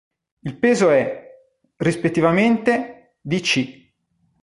Il peso è, rispettivamente, di c.